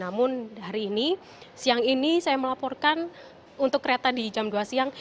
namun hari ini siang ini saya melaporkan untuk kereta di jam dua siang